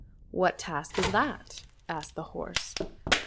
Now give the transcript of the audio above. —" What task is that ?" asked the horse.